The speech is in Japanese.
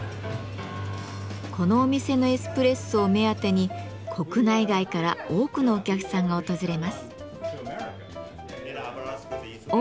このお店のエスプレッソを目当てに国内外から多くのお客さんが訪れます。